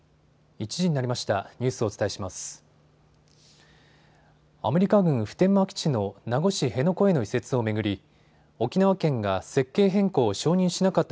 １時になりました。